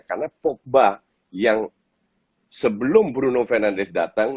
karena pogba yang sebelum bruno fernandes datang